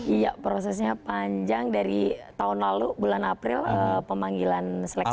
iya prosesnya panjang dari tahun lalu bulan april pemanggilan seleksi